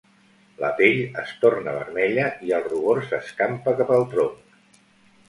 La pell es torna vermella i el rubor s'escampa cap al tronc.